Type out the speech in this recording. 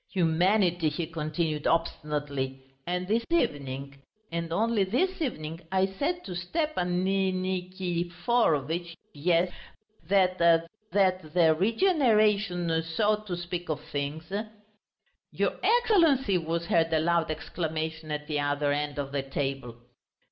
"Humanity!" he continued obstinately; "and this evening ... and only this evening I said to Stepan Niki ki foro vitch ... yes ... that ... that the regeneration, so to speak, of things...." "Your Excellency!" was heard a loud exclamation at the other end of the table.